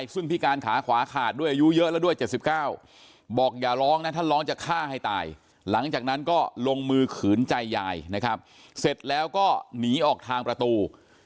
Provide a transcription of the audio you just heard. เสร็จแล้วก็หนีออกทางประตู